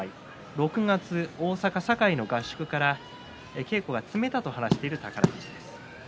６月大阪堺の合宿から稽古は積めたという宝富士です。